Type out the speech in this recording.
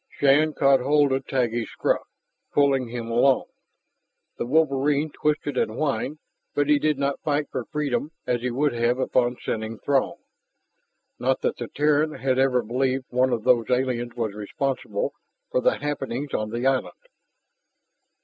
Shann caught hold of Taggi's scruff, pulling him along. The wolverine twisted and whined, but he did not fight for freedom as he would have upon scenting Throg. Not that the Terran had ever believed one of those aliens was responsible for the happenings on the island.